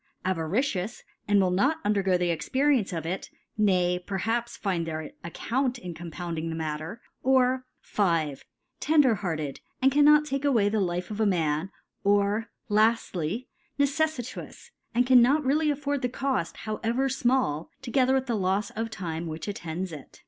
Avaricious, and will not undergo the Expence of it , nay perhaps find their Ac count in compounding the Matter ; or, 5. Tender hearted, and cannot take a way the life of a Man 5 or, Laftly, Neceffitous, and cannot really afford the Coft, however fmall, together with the Lofs of Time which attends it.